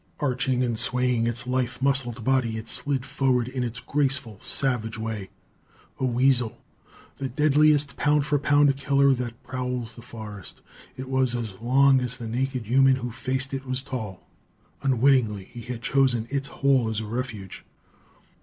Arching and swaying its lithe muscled body, it slid forward in its graceful, savage way a weasel, the deadliest pound for pound killer that prowls the forest. It was as long as the naked human who faced it was tall. Unwittingly, he had chosen its hole as a refuge.